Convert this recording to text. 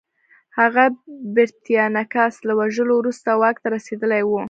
هغه پرتیناکس له وژلو وروسته واک ته رسېدلی و